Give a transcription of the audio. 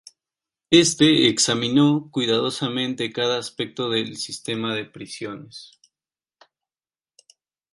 Éste examinó cuidadosamente cada aspecto del sistema de prisiones.